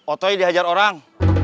otoy dihajar orang